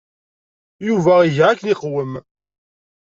Yuba iga akken yeqwem.